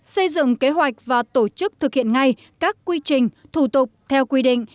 xây dựng kế hoạch và tổ chức thực hiện ngay các quy trình thủ tục theo quy định